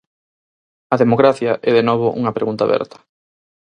A democracia é de novo unha pregunta aberta.